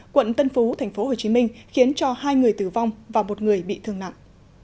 quận tân phú tp hcm khiến cho hai người tử vong và một người bị thương nặng